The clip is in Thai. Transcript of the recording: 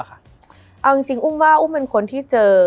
มันทำให้ชีวิตผู้มันไปไม่รอด